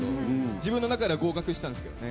自分の中では合格してたんですけどね。